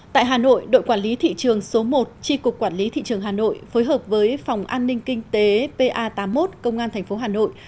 tại hà nội đội quản lý thị trường số một tri cục quản lý thị trường hà nội phối hợp với phòng an ninh kinh tế pa tám mươi một công an tp hà nội